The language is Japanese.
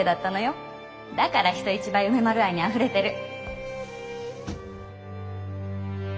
だから人一倍梅丸愛にあふれてる。